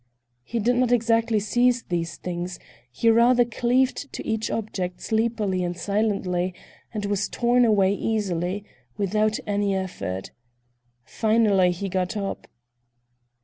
He did not exactly seize these things; he rather cleaved to each object sleepily and silently, and was torn away easily, without any effort. Finally he got up.